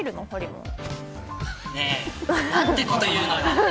なんてこと言うのよ。